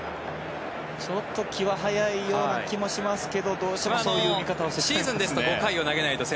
ちょっと気は早い気もしますけどどうしてもそういう見方をしてしまいます。